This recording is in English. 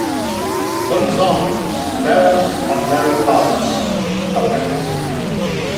For example, "Panthera Panthera pardus", a leopard.